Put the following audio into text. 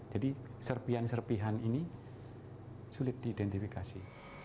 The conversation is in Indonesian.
jadi serpian serpihan ini sulit diidentifikasi